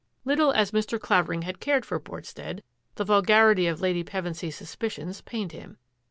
Little as Mr. Clavering had cared for Port stead, the vulgarity of Lady Pevensy's suspicions pained him.